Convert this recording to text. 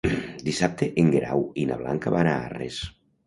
Dissabte en Guerau i na Blanca van a Arres.